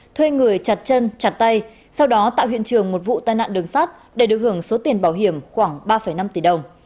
thuê người chặt chân chặt tay sau đó tạo hiện trường một vụ tai nạn đường sát để được hưởng số tiền bảo hiểm khoảng ba năm tỷ đồng